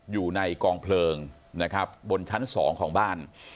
อยู่ในกองเพลิงนะครับบนชั้น๒ของบ้าน